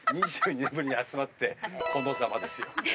２２年ぶりに集まってこのザマですよ